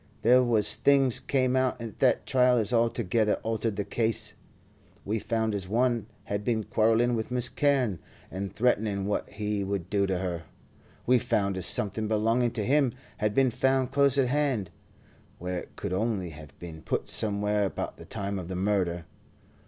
There was things came out at the trial as altogether altered the case. We found as one had been quarrelling with Miss Carne, and threatening what he would do to her. We found as something belonging to him had been found close at hand, where it could only have been put somewhere about the time of the murder.